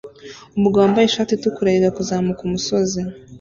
Umugabo wambaye ishati itukura yiga kuzamuka umusozi